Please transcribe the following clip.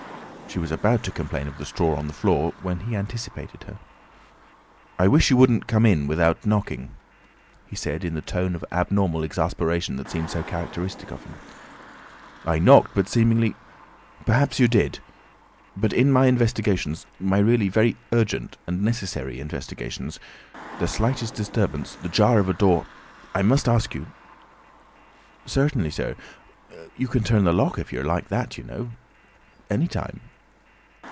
She was about to complain of the straw on the floor when he anticipated her. "I wish you wouldn't come in without knocking," he said in the tone of abnormal exasperation that seemed so characteristic of him. "I knocked, but seemingly—" "Perhaps you did. But in my investigations—my really very urgent and necessary investigations—the slightest disturbance, the jar of a door—I must ask you—" "Certainly, sir. You can turn the lock if you're like that, you know. Any time."